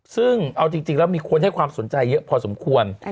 ซึ่งเอาจริงแล้วมีคนให้ความสนใจเยอะพอสมควร